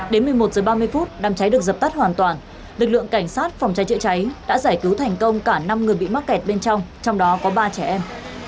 đến một mươi một h ba mươi đám cháy được dập tắt hoàn toàn lực lượng cảnh sát phòng cháy chữa cháy đã giải cứu thành công cả năm người bị mắc kẹt bên trong trong đó có ba trẻ em